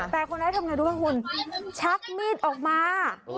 แต่คนร้ายทำไงรู้ไหมคุณชักมีดออกมา